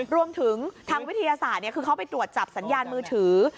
รวมถึงทางวิทยาศาสตร์คือเขาไปตรวจจับสัญญาณมือถือ